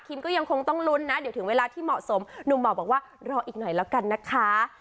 อีกหน่อยแล้วกันนะคะ